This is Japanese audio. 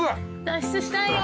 脱出したいよ。